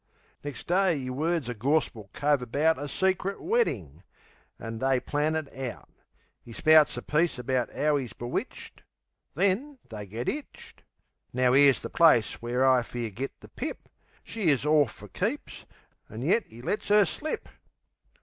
Nex' day 'e words a gorspil cove about A secret wedding; 'an they plan it out. 'E spouts a piece about 'ow 'e's bewitched: Then they git 'itched. Now, 'ere's the place where I fair git the pip! She's 'is ofr keeps, an' yet 'e lets 'er slip!